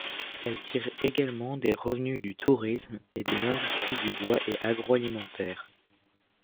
Elle tire également des revenus du tourisme, et des industries du bois et agro-alimentaire.